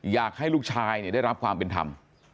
ได้มีรับความเป็นธรรม